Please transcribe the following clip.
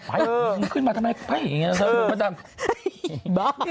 ไปขึ้นมาทำไมไปอย่างงี้นะ